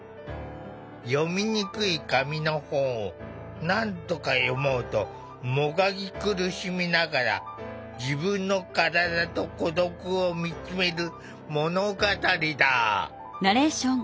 読みにくい紙の本をなんとか読もうともがき苦しみながら自分の身体と孤独を見つめる物語だ。